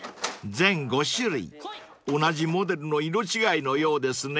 ［全５種類同じモデルの色違いのようですね］